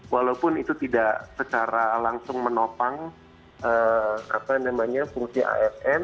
walaupun itu tidak secara langsung menopang fungsi asn